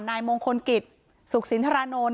นายมงคลกิจสุขสินธรรณนดช์